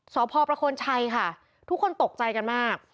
สพประโคนชัยค่ะทุกคนตกใจกันมาก